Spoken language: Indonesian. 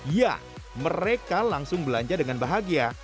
ya mereka langsung belanja dengan bahagia